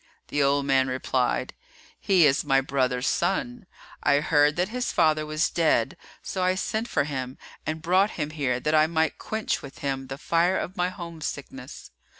The old man replied, "He is my brother's son, I heard that his father was dead; so I sent for him and brought him here that I might quench with him the fire of my home sickness."